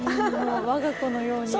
我が子のように。